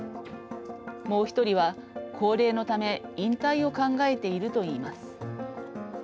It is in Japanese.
もう１人は高齢のため引退を考えているといいます。